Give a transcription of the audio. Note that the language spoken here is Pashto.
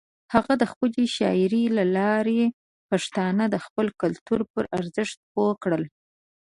هغه د خپلې شاعرۍ له لارې پښتانه د خپل کلتور پر ارزښت پوه کړل.